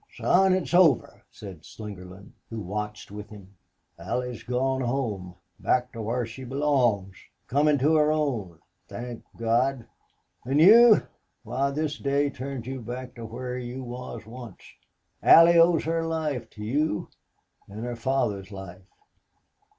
"Son, it's over," said Slingerland, who watched with him. "Allie's gone home back to whar she belongs to come into her own. Thank God! An' you why this day turns you back to whar you was once.... Allie owes her life to you an' her father's life.